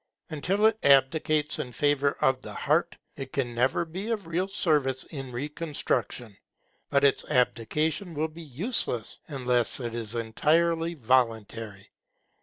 Until it abdicates in favour of the Heart, it can never be of real service in reconstruction. But its abdication will be useless, unless it is entirely voluntary.